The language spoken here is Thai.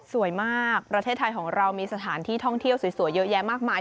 สวยมากประเทศไทยของเรามีสถานที่ท่องเที่ยวสวยเยอะแยะมากมาย